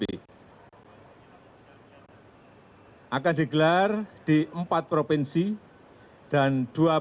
pagi hari ini akan digelar di empat provinsi dan dua puluh lima